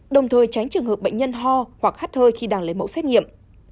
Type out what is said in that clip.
đồng thời tránh trường hợp bệnh nhân ho hoặc hát hơi khi đang lấy mẫu xét nghiệm